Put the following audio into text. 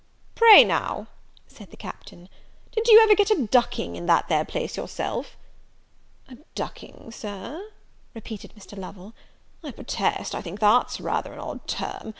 "Pray now," said the Captain, "did you ever get a ducking in that there place yourself?" "A ducking, Sir!" repeated Mr. Lovel: "I protest I think that's rather an odd term!